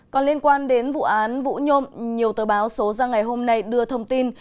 còn liên quan đến vụ án vũ nhôm nhiều tờ báo số ra ngày hôm nay đưa thông tin